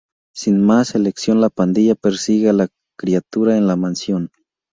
Sin más elección la pandilla persigue a la criatura en la mansión.